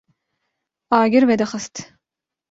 agir vedixwist